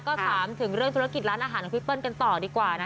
ก็ถามถึงเรื่องธุรกิจร้านอาหารของพี่เปิ้ลกันต่อดีกว่านะ